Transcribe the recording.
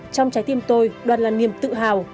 trong trái tim tôi đoàn là niềm tự hào